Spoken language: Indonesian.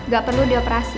gak perlu dioperasi